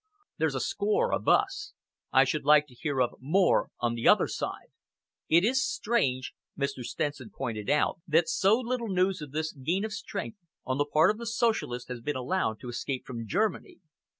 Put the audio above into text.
There's a score of us. I should like to hear of more on the other side." "It is strange," Mr. Stenson pointed out, "that so little news of this gain of strength on the part of the Socialists has been allowed to escape from Germany.